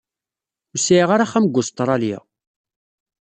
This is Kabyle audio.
Ur sɛiɣ ara axxam deg Usṭṛalya.